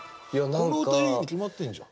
この歌いいに決まってんじゃん。